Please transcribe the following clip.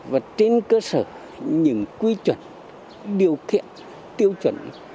và trên cơ sở những quy chuẩn điều kiện tiêu chuẩn